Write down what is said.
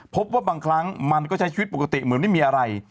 พบว่าบางครั้งมันก็ใช้ชีวิตปกติเหมือนไม่มีอะไร